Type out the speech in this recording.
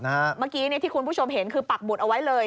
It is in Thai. เมื่อกี้ที่คุณผู้ชมเห็นคือปักหมุดเอาไว้เลย